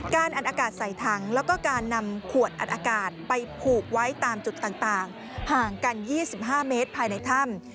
อันอากาศใส่ถังแล้วก็การนำขวดอัดอากาศไปผูกไว้ตามจุดต่างห่างกัน๒๕เมตรภายในถ้ำ